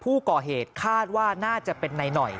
ผู้ก่อเหตุคาดว่าน่าจะเป็นนายหน่อย